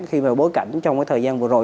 khi mà bối cảnh trong cái thời gian vừa rồi